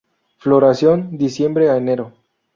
Floración, diciembre a enero.